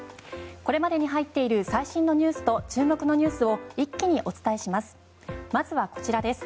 これまでに入っている最新のニュースと注目のニュースを一気にお伝えします。